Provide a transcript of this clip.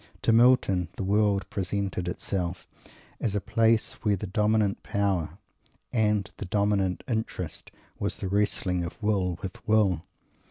To Milton the world presented itself as a place where the dominant power, and the dominant interest, was the wrestling of will with will.